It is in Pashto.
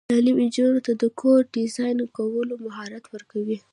تعلیم نجونو ته د کور ډیزاین کولو مهارت ورکوي.